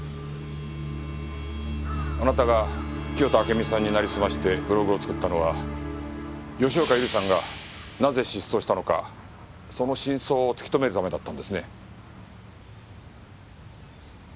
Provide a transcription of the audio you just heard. あなたが清田暁美さんになりすましてブログを作ったのは吉岡百合さんがなぜ失踪したのかその真相を突き止めるためだったんですね？